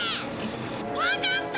わかった！